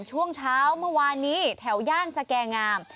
ช่วงเช้าเมื่อวานนี้แถวย่านสแก่งาม